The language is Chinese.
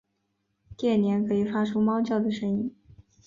电鲇可以发出猫叫的声音。